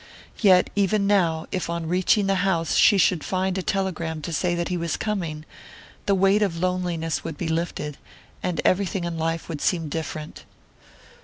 Yet, even now, if on reaching the house she should find a telegram to say that he was coming, the weight of loneliness would be lifted, and everything in life would seem different....